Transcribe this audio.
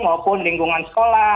maupun lingkungan sekolah